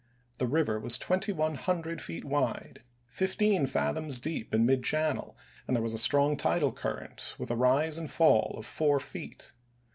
The river was 2100 feet wide, 15 fathoms deep in mid channel, and there was a strong tidal current with a rise and fall of four feet.